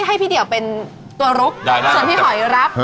ให้พี่เดี่ยวเป็นตัวลุกส่วนพี่หอยรับ